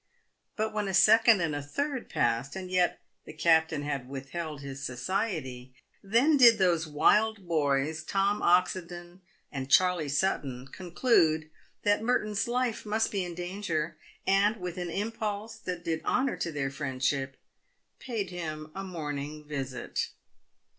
But when a second and a third passed, and yet the captain withheld his society, then did those wild boys Tom OxendoQ and Charley Sutton conclude that Merton'g 262 PAYED WITH GOLD. life must be in danger, and, with an impulse that did honour to their friendship, paid him a morning visit.